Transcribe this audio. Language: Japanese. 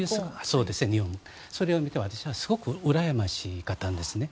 日本は。それを見て私はすごくうらやましかったんですね。